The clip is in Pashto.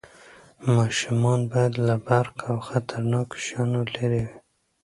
ماشومان باید له برق او خطرناکو شیانو لرې وي.